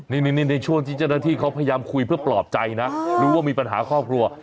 นี่ในช่วงที่เจ้าหน้าที่เขาพยายามคุยเพื่อปลอบใจนะรู้ว่ามีปัญหาครอบครัว